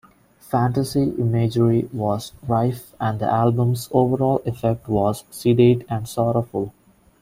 Fantasy imagery was rife and the album's overall effect was sedate and sorrowful.